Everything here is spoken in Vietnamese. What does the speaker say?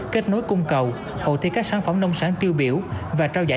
kết nối cung cầu hầu thi các sản phẩm nông sản tiêu biểu và trao giải